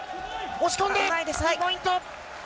押し込んで２ポイント。